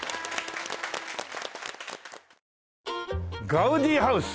「ガウディハウス」